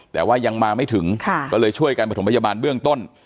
แต่ว่ายังมาไม่ถึงก็เลยช่วยกันประถมพยาบาลเบื้องต้น